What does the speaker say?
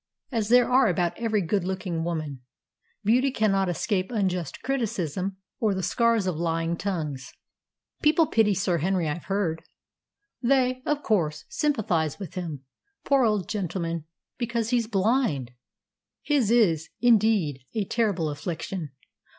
"As there are about every good looking woman. Beauty cannot escape unjust criticism or the scars of lying tongues." "People pity Sir Henry, I've heard." "They, of course, sympathise with him, poor old gentleman, because he's blind. His is, indeed, a terrible affliction.